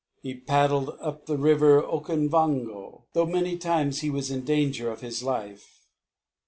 He paddled up the River Okanvango, though many times he was in danger of his life.